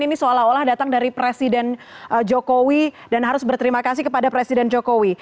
ini seolah olah datang dari presiden jokowi dan harus berterima kasih kepada presiden jokowi